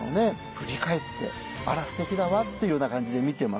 振り返って「あら素敵だわ」っていうような感じで見てます。